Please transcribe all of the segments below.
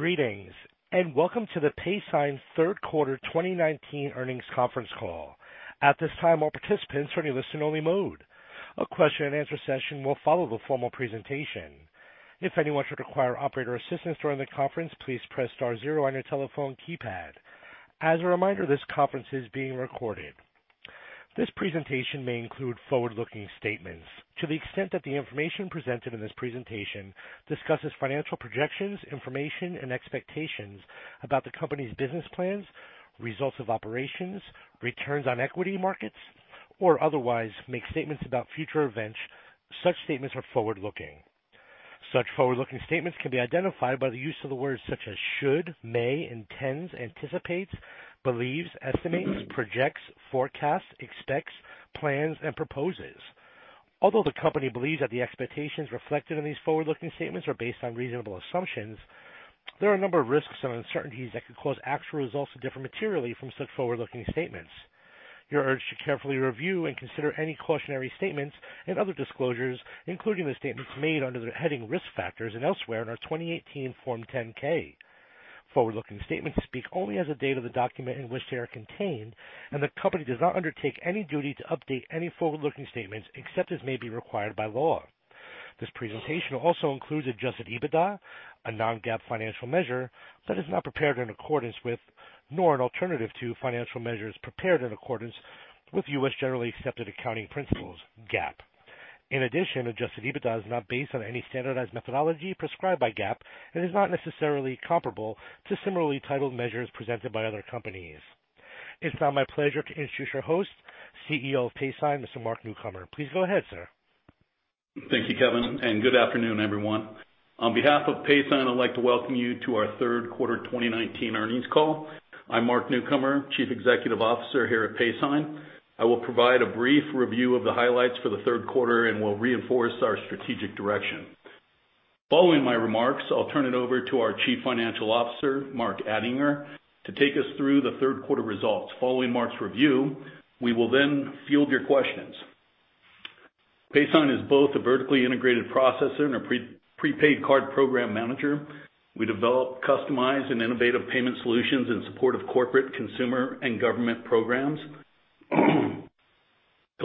Greetings, welcome to the Paysign third quarter 2019 earnings conference call. At this time, all participants are in listen-only mode. A question and answer session will follow the formal presentation. If anyone should require operator assistance during the conference, please press star zero on your telephone keypad. As a reminder, this conference is being recorded. This presentation may include forward-looking statements. To the extent that the information presented in this presentation discusses financial projections, information, and expectations about the company's business plans, results of operations, returns on equity markets, or otherwise makes statements about future events, such statements are forward-looking. Such forward-looking statements can be identified by the use of words such as should, may, intends, anticipates, believes, estimates, projects, forecasts, expects, plans, and proposes. Although the company believes that the expectations reflected in these forward-looking statements are based on reasonable assumptions, there are a number of risks and uncertainties that could cause actual results to differ materially from such forward-looking statements. You're urged to carefully review and consider any cautionary statements and other disclosures, including the statements made under the heading Risk Factors, and elsewhere in our 2018 Form 10-K. Forward-looking statements speak only as of the date of the document in which they are contained, and the company does not undertake any duty to update any forward-looking statements except as may be required by law. This presentation also includes adjusted EBITDA, a non-GAAP financial measure that is not prepared in accordance with, nor an alternative to, financial measures prepared in accordance with U.S. generally accepted accounting principles, GAAP. In addition, adjusted EBITDA is not based on any standardized methodology prescribed by GAAP and is not necessarily comparable to similarly titled measures presented by other companies. It is now my pleasure to introduce our host, CEO of Paysign, Mr. Mark Newcomer. Please go ahead, sir. Thank you, Kevin, and good afternoon, everyone. On behalf of Paysign, I'd like to welcome you to our third quarter 2019 earnings call. I'm Mark Newcomer, Chief Executive Officer here at Paysign. I will provide a brief review of the highlights for the third quarter and will reinforce our strategic direction. Following my remarks, I'll turn it over to our Chief Financial Officer, Mark Attinger, to take us through the third quarter results. Following Mark's review, we will then field your questions. Paysign is both a vertically integrated processor and a prepaid card program manager. We develop customized and innovative payment solutions in support of corporate, consumer, and government programs. To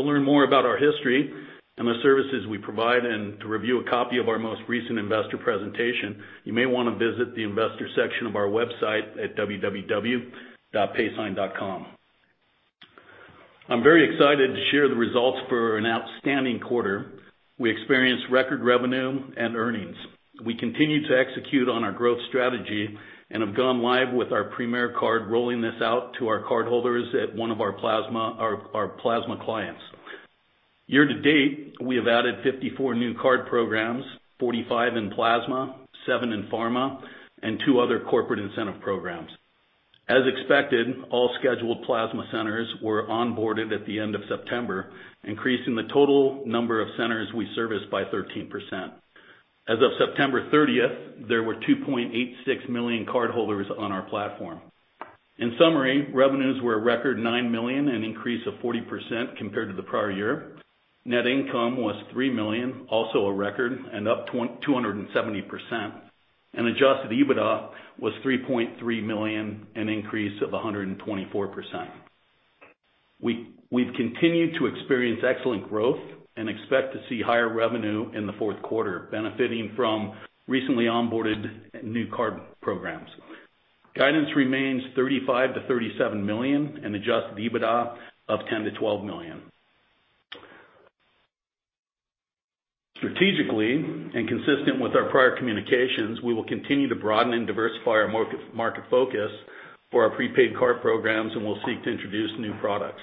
learn more about our history and the services we provide, and to review a copy of our most recent investor presentation, you may want to visit the investors section of our website at www.paysign.com. I'm very excited to share the results for an outstanding quarter. We experienced record revenue and earnings. We continue to execute on our growth strategy and have gone live with our Premier card, rolling this out to our cardholders at one of our plasma clients. Year to date, we have added 54 new card programs, 45 in plasma, seven in pharma, and two other corporate incentive programs. As expected, all scheduled plasma centers were onboarded at the end of September, increasing the total number of centers we service by 13%. As of September 30th, there were 2.86 million cardholders on our platform. In summary, revenues were a record $9 million, an increase of 40% compared to the prior year. Net income was $3 million, also a record, and up 270%. Adjusted EBITDA was $3.3 million, an increase of 124%. We've continued to experience excellent growth and expect to see higher revenue in the fourth quarter, benefiting from recently onboarded new card programs. Guidance remains $35 million-$37 million, and adjusted EBITDA of $10 million-$12 million. Strategically, and consistent with our prior communications, we will continue to broaden and diversify our market focus for our prepaid card programs and will seek to introduce new products.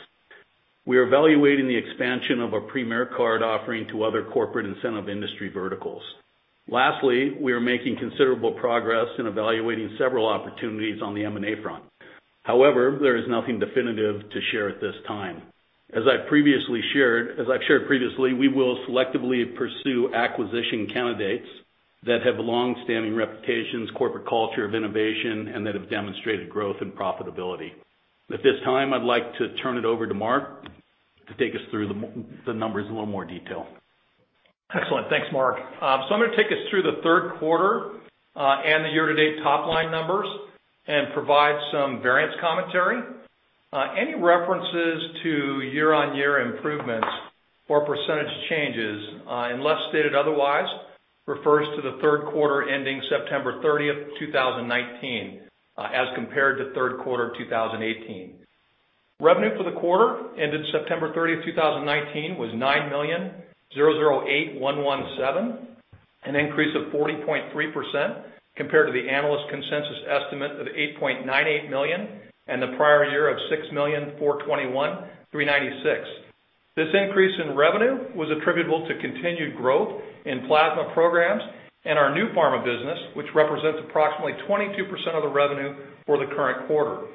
We are evaluating the expansion of our Premier card offering to other corporate incentive industry verticals. Lastly, we are making considerable progress in evaluating several opportunities on the M&A front. However, there is nothing definitive to share at this time. As I've shared previously, we will selectively pursue acquisition candidates that have long-standing reputations, corporate culture of innovation, and that have demonstrated growth and profitability. At this time, I'd like to turn it over to Mark to take us through the numbers in a little more detail. Excellent. Thanks, Mark. I'm going to take us through the third quarter and the year-to-date top-line numbers and provide some variance commentary. Any references to year-on-year improvements or percentage changes, unless stated otherwise, refers to the third quarter ending September 30th, 2019 as compared to third quarter 2018. Revenue for the quarter ended September 30th, 2019 was $9,008,117, an increase of 40.3% compared to the analyst consensus estimate of $8.98 million and the prior year of $6,421,396. This increase in revenue was attributable to continued growth in plasma programs and our new pharma business, which represents approximately 22% of the revenue for the current quarter.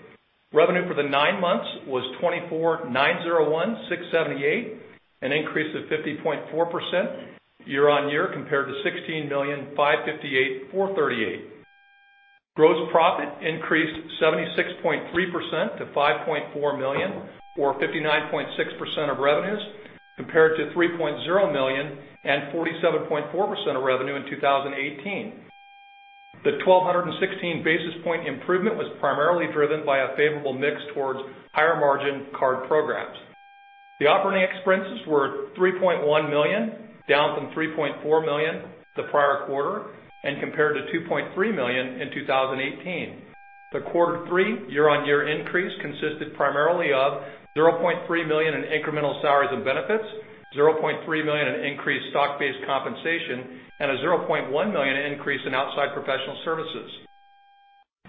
Revenue for the nine months was $24,901,678, an increase of 50.4% year-on-year compared to $16,558,438. Gross profit increased 76.3% to $5.4 million, or 59.6% of revenues compared to $3.0 million and 47.4% of revenue in 2018. The 1,216 basis point improvement was primarily driven by a favorable mix towards higher margin card programs. The operating expenses were $3.1 million, down from $3.4 million the prior quarter, and compared to $2.3 million in 2018. The quarter three year-on-year increase consisted primarily of $0.3 million in incremental salaries and benefits, $0.3 million in increased stock-based compensation, and a $0.1 million increase in outside professional services.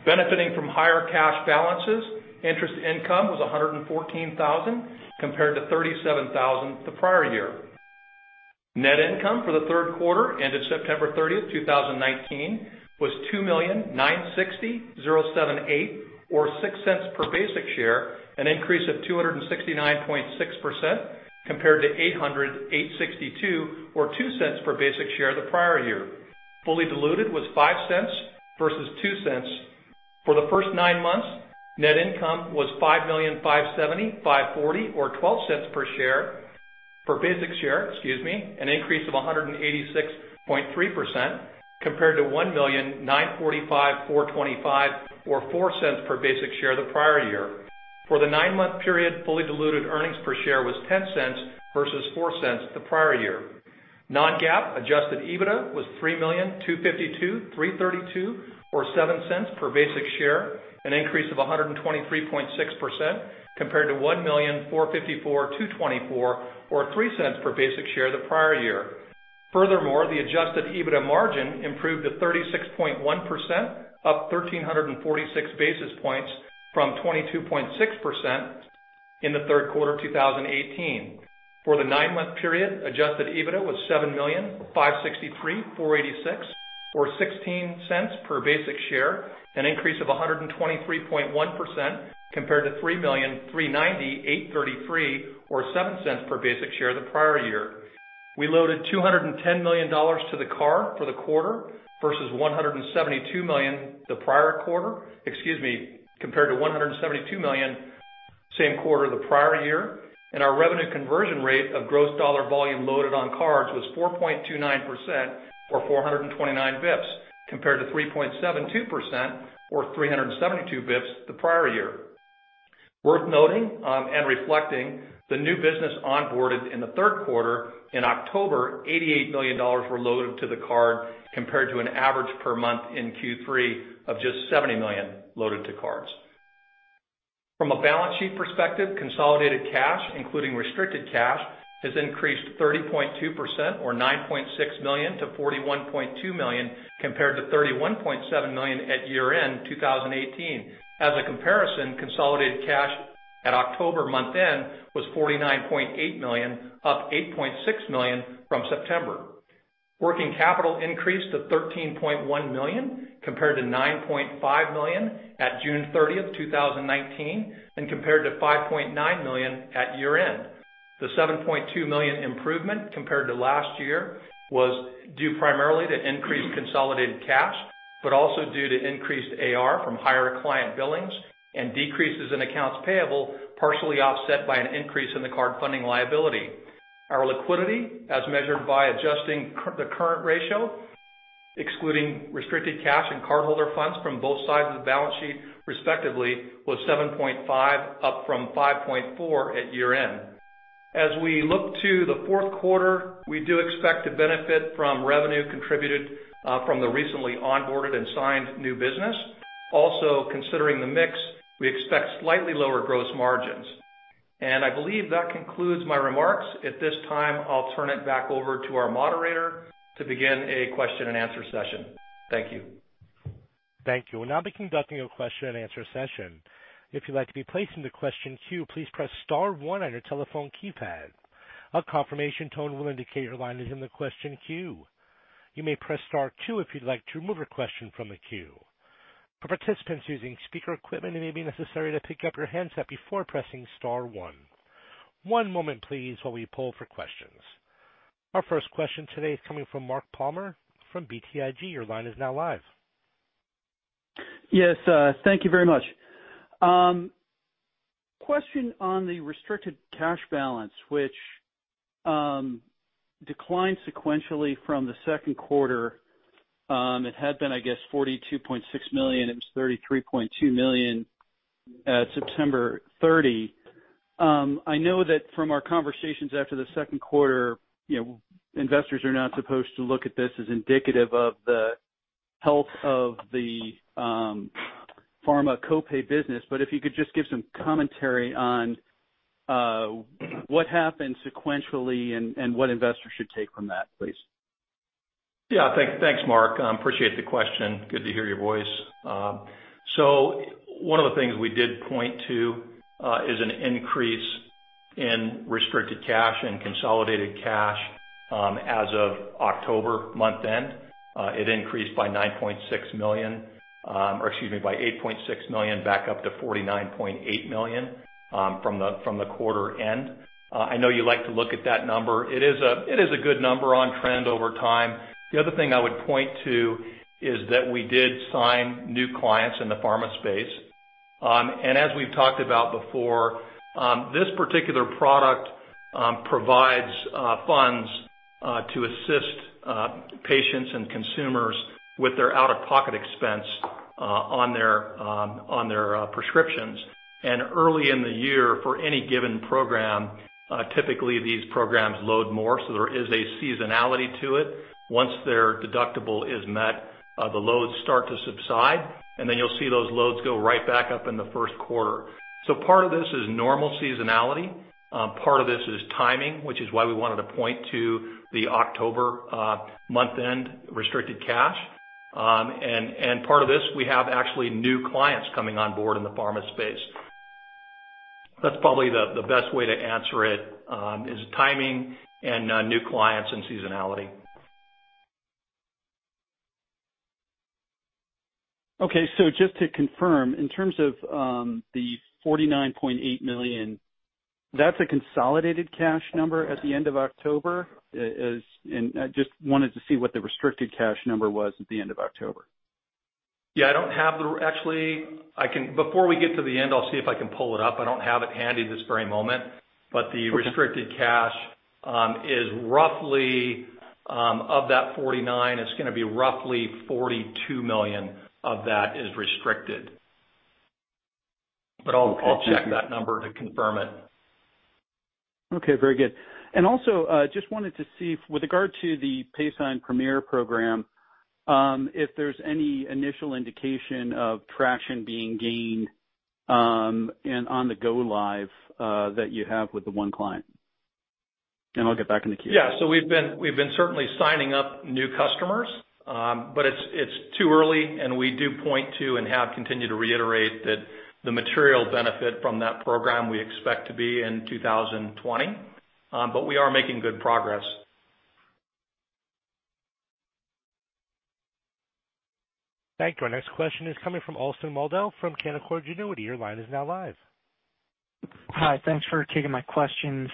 Benefiting from higher cash balances, interest income was $114,000, compared to $37,000 the prior year. Net income for the third quarter ended September 30th, 2019, was $2,960,078, or $0.06 per basic share, an increase of 269.6%, compared to $800,862, or $0.02 per basic share the prior year. Fully diluted was $0.05 versus $0.02. For the first nine months, net income was $5,570,540, or $0.12 per basic share, an increase of 186.3%, compared to $1,945,425, or $0.04 per basic share the prior year. For the nine-month period, fully diluted earnings per share was $0.10 versus $0.04 the prior year. Non-GAAP adjusted EBITDA was $3,252,332, or $0.07 per basic share, an increase of 123.6%, compared to $1,454,224, or $0.03 per basic share the prior year. The adjusted EBITDA margin improved to 36.1%, up 1,346 basis points from 22.6% in the third quarter of 2018. For the nine-month period, adjusted EBITDA was $7,563,486, or $0.16 per basic share, an increase of 123.1%, compared to $3,390,833, or $0.07 per basic share the prior year. We loaded $210 million to the card for the quarter versus $172 million the prior quarter. Excuse me, compared to $172 million same quarter the prior year. Our revenue conversion rate of gross dollar volume loaded on cards was 4.29%, or 429 BPS, compared to 3.72%, or 372 BPS, the prior year. Worth noting and reflecting the new business onboarded in the third quarter, in October, $88 million were loaded to the card, compared to an average per month in Q3 of just $70 million loaded to cards. From a balance sheet perspective, consolidated cash, including restricted cash, has increased 30.2%, or $9.6 million, to $41.2 million, compared to $31.7 million at year-end 2018. As a comparison, consolidated cash at October month-end was $49.8 million, up $8.6 million from September. Working capital increased to $13.1 million, compared to $9.5 million at June 30th, 2019, and compared to $5.9 million at year-end. The $7.2 million improvement compared to last year was due primarily to increased consolidated cash, but also due to increased AR from higher client billings and decreases in accounts payable, partially offset by an increase in the card funding liability. Our liquidity, as measured by adjusting the current ratio, excluding restricted cash and cardholder funds from both sides of the balance sheet, respectively, was 7.5, up from 5.4 at year-end. As we look to the fourth quarter, we do expect to benefit from revenue contributed from the recently onboarded and signed new business. Considering the mix, we expect slightly lower gross margins. I believe that concludes my remarks. At this time, I'll turn it back over to our moderator to begin a question and answer session. Thank you. Thank you. We'll now be conducting a question and answer session. If you'd like to be placed into the question queue, please press star 1 on your telephone keypad. A confirmation tone will indicate your line is in the question queue. You may press star 2 if you'd like to remove a question from the queue. For participants using speaker equipment, it may be necessary to pick up your handset before pressing star 1. One moment please while we poll for questions. Our first question today is coming from Mark Palmer from BTIG. Your line is now live. Yes. Thank you very much. Question on the restricted cash balance, which declined sequentially from the second quarter. It had been, I guess $42.6 million. It was $33.2 million at September 30. I know that from our conversations after the second quarter, investors are not supposed to look at this as indicative of the health of the pharma co-pay business. If you could just give some commentary on what happened sequentially and what investors should take from that, please. Yeah. Thanks, Mark. Appreciate the question. Good to hear your voice. One of the things we did point to is an increase in restricted cash and consolidated cash as of October month-end. It increased by $8.6 million back up to $49.8 million from the quarter end. I know you like to look at that number. It is a good number on trend over time. The other thing I would point to is that we did sign new clients in the pharma space. As we've talked about before, this particular product provides funds to assist patients and consumers with their out-of-pocket expense on their prescriptions. Early in the year, for any given program, typically these programs load more, so there is a seasonality to it. Once their deductible is met, the loads start to subside, and then you'll see those loads go right back up in the first quarter. Part of this is normal seasonality. Part of this is timing, which is why we wanted to point to the October month-end restricted cash. Part of this, we have actually new clients coming on board in the pharma space. That's probably the best way to answer it, is timing and new clients and seasonality. Okay. Just to confirm, in terms of the $49.8 million, that's a consolidated cash number at the end of October? I just wanted to see what the restricted cash number was at the end of October. Yeah. Before we get to the end, I'll see if I can pull it up. I don't have it handy this very moment. The restricted cash, of that $49, it's going to be roughly $42 million of that is restricted. I'll check that number to confirm it. Okay. Very good. Also, just wanted to see, with regard to the Paysign Premier program, if there's any initial indication of traction being gained on the go-live that you have with the one client. I'll get back in the queue. We've been certainly signing up new customers. It's too early, and we do point to and have continued to reiterate that the material benefit from that program we expect to be in 2020. We are making good progress. Thank you. Our next question is coming from Austin Moldow from Canaccord Genuity. Your line is now live. Hi. Thanks for taking my questions.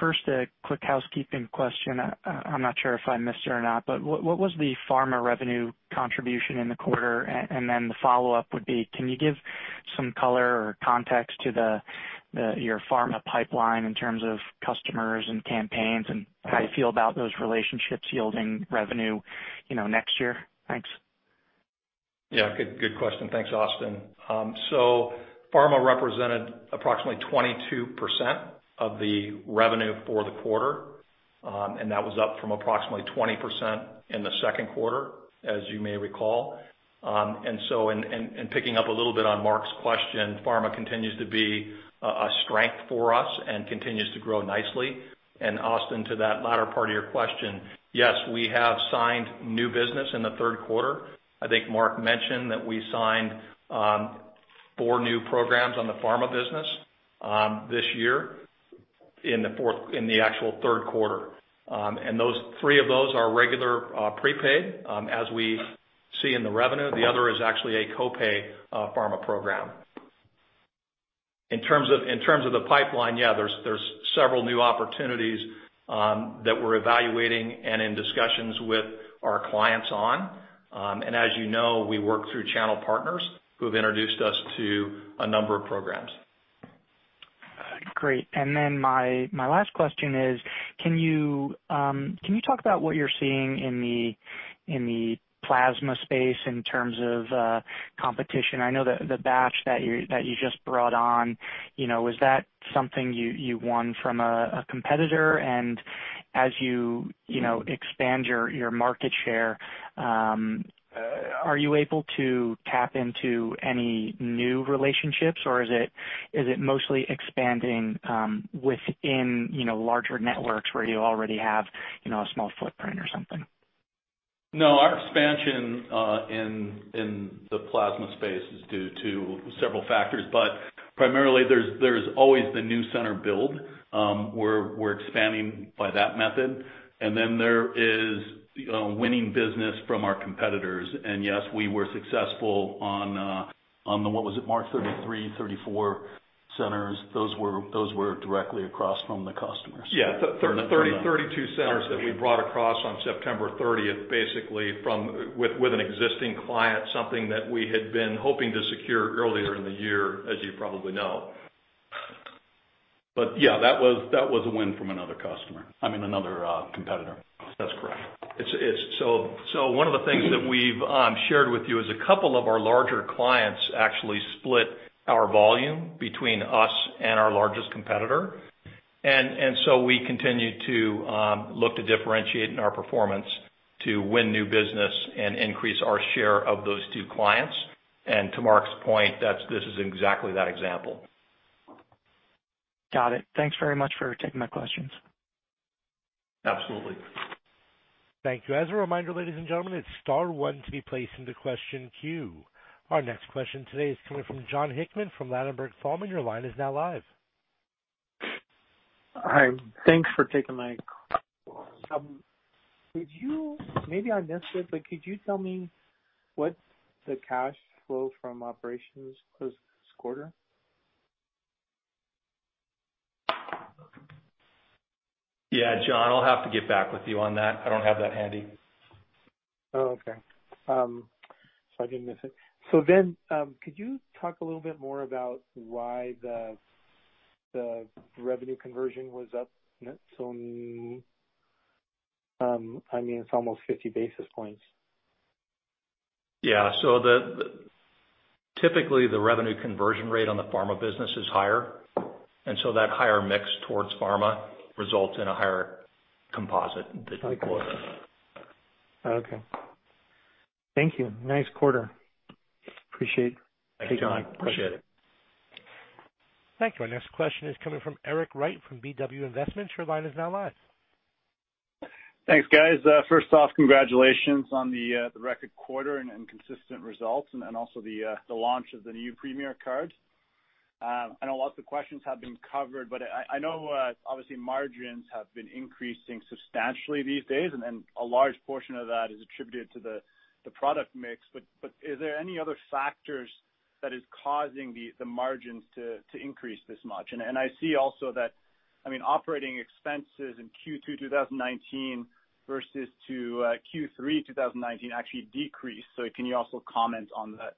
First, a quick housekeeping question. I'm not sure if I missed it or not, but what was the pharma revenue contribution in the quarter? The follow-up would be, can you give some color or context to your pharma pipeline in terms of customers and campaigns and how you feel about those relationships yielding revenue next year? Thanks. Yeah. Good question. Thanks, Austin. Pharma represented approximately 22% of the revenue for the quarter, and that was up from approximately 20% in the second quarter, as you may recall. In picking up a little bit on Mark's question, pharma continues to be a strength for us and continues to grow nicely. Austin, to that latter part of your question, yes, we have signed new business in the third quarter. I think Mark mentioned that we signed four new programs on the pharma business this year in the actual third quarter. Three of those are regular prepaid, as we see in the revenue. The other is actually a co-pay pharma program. In terms of the pipeline, yeah, there's several new opportunities that we're evaluating and in discussions with our clients on. As you know, we work through channel partners who have introduced us to a number of programs. Great. My last question is, can you talk about what you're seeing in the plasma space in terms of competition? I know the batch that you just brought on, was that something you won from a competitor? As you expand your market share, are you able to tap into any new relationships, or is it mostly expanding within larger networks where you already have a small footprint or something? No, our expansion in the plasma space is due to several factors. Primarily, there's always the new center build. We're expanding by that method. There is winning business from our competitors. Yes, we were successful on the, what was it, Mark? 33, 34 centers. Those were directly across from the customers. Yeah. 32 centers that we brought across on September 30th, basically with an existing client, something that we had been hoping to secure earlier in the year, as you probably know. Yeah, that was a win from another competitor. That's correct. One of the things that we've shared with you is a couple of our larger clients actually split our volume between us and our largest competitor. We continue to look to differentiate in our performance to win new business and increase our share of those two clients. To Mark's point, this is exactly that example. Got it. Thanks very much for taking my questions. Absolutely. Thank you. As a reminder, ladies and gentlemen, it's star one to be placed into question queue. Our next question today is coming from Jon Hickman from Ladenburg Thalmann. Your line is now live. Hi. Thanks for taking my call. Maybe I missed it, but could you tell me what the cash flow from operations was this quarter? Yeah, Jon, I'll have to get back with you on that. I don't have that handy. Oh, okay. I didn't miss it. Could you talk a little bit more about why the revenue conversion was up? It's almost 50 basis points. Yeah. Typically, the revenue conversion rate on the pharma business is higher, and so that higher mix towards pharma results in a higher composite digital Okay. Thank you. Nice quarter. Appreciate it. Thank you, Jon. Appreciate it. Thank you. Our next question is coming from Eric Wright from BW Investments. Your line is now live. Thanks, guys. First off, congratulations on the record quarter and consistent results and also the launch of the new Premier card. I know lots of questions have been covered, I know obviously margins have been increasing substantially these days, A large portion of that is attributed to the product mix. Is there any other factors that is causing the margins to increase this much? I see also that operating expenses in Q2 2019 versus to Q3 2019 actually decreased. Can you also comment on that?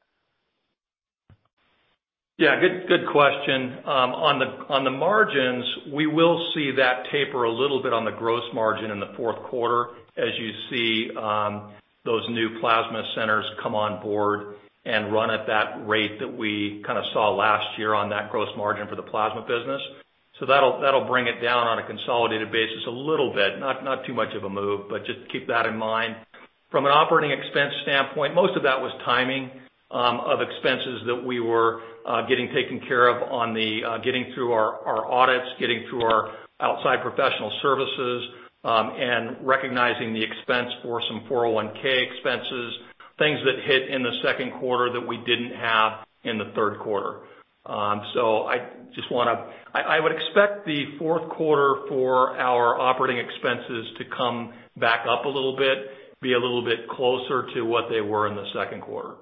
Good question. On the margins, we will see that taper a little bit on the gross margin in the fourth quarter as you see those new plasma centers come on board and run at that rate that we kind of saw last year on that gross margin for the plasma business. That'll bring it down on a consolidated basis a little bit. Not too much of a move, just keep that in mind. From an operating expense standpoint, most of that was timing of expenses that we were getting taken care of on the getting through our audits, getting through our outside professional services, and recognizing the expense for some 401(k) expenses, things that hit in the second quarter that we didn't have in the third quarter. I would expect the fourth quarter for our operating expenses to come back up a little bit, be a little bit closer to what they were in the second quarter.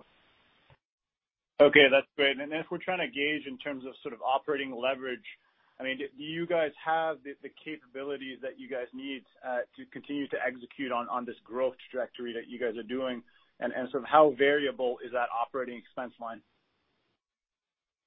Okay, that's great. If we're trying to gauge in terms of sort of operating leverage, do you guys have the capabilities that you guys need to continue to execute on this growth trajectory that you guys are doing? Sort of how variable is that operating expense line?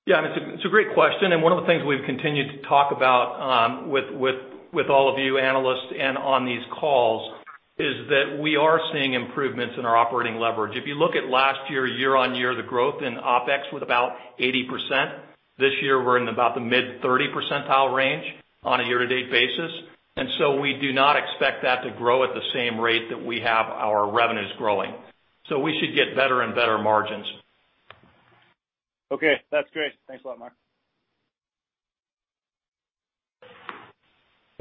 Yeah, it's a great question, and one of the things we've continued to talk about with all of you analysts and on these calls is that we are seeing improvements in our operating leverage. If you look at last year-on-year, the growth in OpEx was about 80%. This year, we're in about the mid 30 percentile range on a year-to-date basis. We do not expect that to grow at the same rate that we have our revenues growing. We should get better and better margins. Okay. That's great. Thanks a lot, Mark.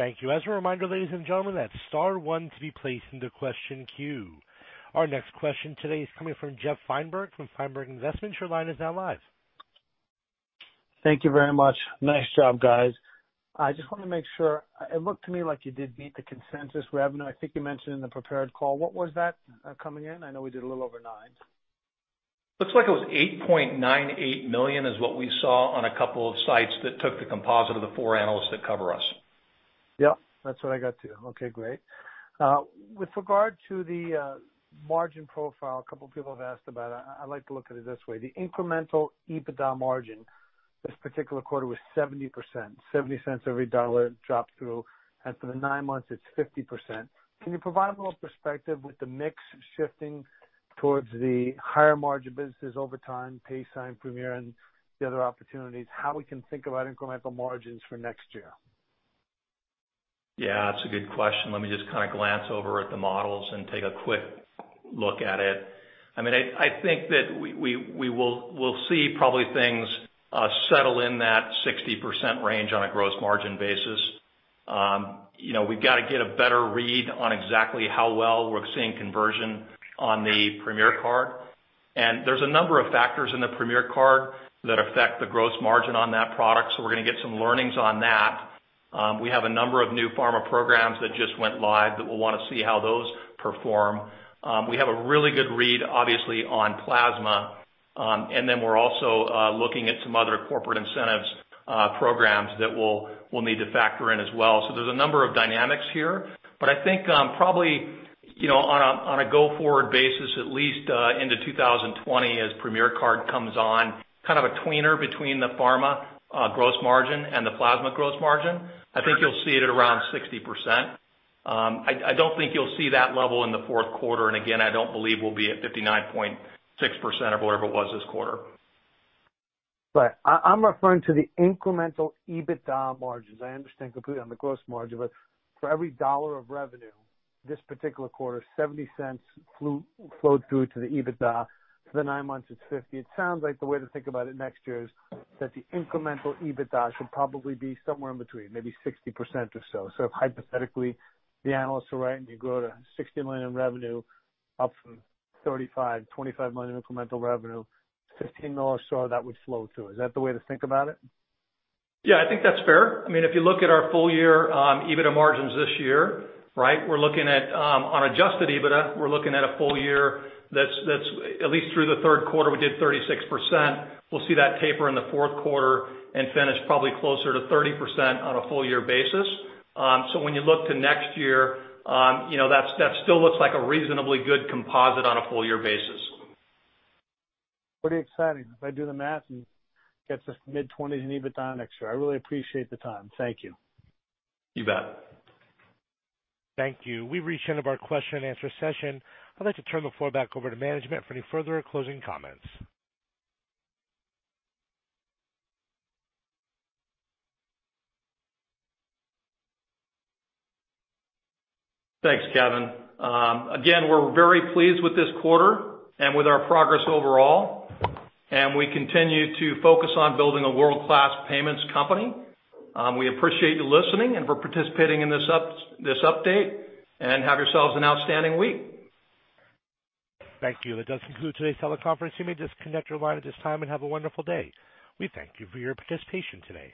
Thank you. As a reminder, ladies and gentlemen, that's star one to be placed into question queue. Our next question today is coming from Jeff Feinberg from Feinberg Investments. Your line is now live. Thank you very much. Nice job, guys. I just want to make sure. It looked to me like you did meet the consensus revenue. I think you mentioned in the prepared call. What was that coming in? I know we did a little over nine. Looks like it was $8.98 million is what we saw on a couple of sites that took the composite of the four analysts that cover us. Yep. That's what I got, too. Okay, great. With regard to the margin profile, a couple of people have asked about it. I like to look at it this way. The incremental EBITDA margin this particular quarter was 70%, $0.70 of every dollar dropped through. For the nine months, it's 50%. Can you provide a little perspective with the mix shifting towards the higher margin businesses over time, Paysign, Premier, and the other opportunities, how we can think about incremental margins for next year? Yeah, that's a good question. Let me just kind of glance over at the models and take a quick look at it. I think that we'll see probably things settle in that 60% range on a gross margin basis. We've got to get a better read on exactly how well we're seeing conversion on the Premier card. There's a number of factors in the Premier card that affect the gross margin on that product, so we're going to get some learnings on that. We have a number of new pharma programs that just went live that we'll want to see how those perform. We have a really good read, obviously, on Plasma, and then we're also looking at some other corporate incentives programs that we'll need to factor in as well. There's a number of dynamics here, but I think probably on a go-forward basis, at least into 2020 as Premier card comes on, kind of a tweener between the pharma gross margin and the plasma gross margin. I think you'll see it at around 60%. I don't think you'll see that level in the fourth quarter, again, I don't believe we'll be at 59.6% or whatever it was this quarter. I'm referring to the incremental EBITDA margins. I understand completely on the gross margin, for every dollar of revenue this particular quarter, $0.70 flowed through to the EBITDA. For the nine months, it's $0.50. It sounds like the way to think about it next year is that the incremental EBITDA should probably be somewhere in between, maybe 60% or so. If hypothetically the analysts are right and you grow to $60 million in revenue, up from $35 million, $25 million in incremental revenue, $15 million or so that would flow through. Is that the way to think about it? Yeah, I think that's fair. If you look at our full year EBITDA margins this year, we're looking at on adjusted EBITDA, we're looking at a full year that's at least through the third quarter, we did 36%. We'll see that taper in the fourth quarter and finish probably closer to 30% on a full year basis. When you look to next year, that still looks like a reasonably good composite on a full year basis. Pretty exciting. If I do the math, it gets us mid-20s in EBITDA next year. I really appreciate the time. Thank you. You bet. Thank you. We've reached the end of our question and answer session. I'd like to turn the floor back over to management for any further closing comments. Thanks, Kevin. We're very pleased with this quarter and with our progress overall, and we continue to focus on building a world-class payments company. We appreciate you listening and for participating in this update, and have yourselves an outstanding week. Thank you. That does conclude today's teleconference. You may disconnect your line at this time and have a wonderful day. We thank you for your participation today.